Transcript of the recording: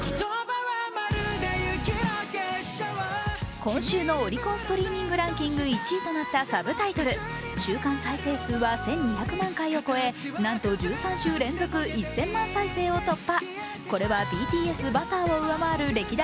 今週のオリコンストリーミングランキング１位となった週間再生数は１２００万回を超えなんと１３週連続、１０００万再生を突破。